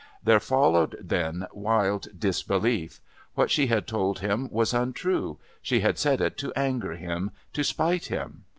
There followed then wild disbelief; what she had told him was untrue, she had said it to anger him, to spite him.